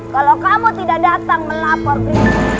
kalau kamu tidak datang melapor